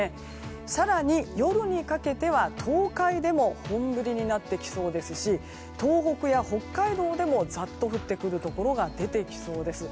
更に、夜にかけては東海でも本降りになってきそうですし東北や北海道でもザッと降ってくるところが出てきそうです。